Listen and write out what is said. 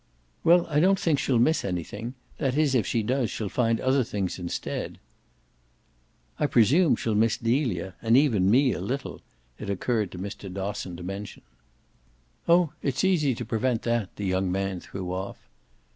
"Well, I don't think she'll miss anything. That is if she does she'll find other things instead." "I presume she'll miss Delia, and even me a little," it occurred to Mr. Dosson to mention. "Oh it's easy to prevent that," the young man threw off.